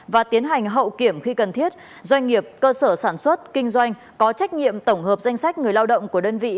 và tiến hành hậu kiểm khi cần thiết doanh nghiệp cơ sở sản xuất kinh doanh có trách nhiệm tổng hợp danh sách người lao động của đơn vị